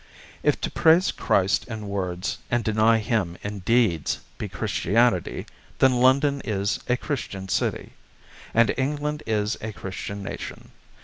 If to praise Christ in words, and deny Him in deeds, be Christianity, then London is a Christian city, and England is a Christian nation.